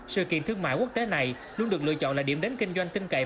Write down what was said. sự kiện thương mại quốc tế này luôn được lựa chọn là điểm đến kinh doanh tinh cậy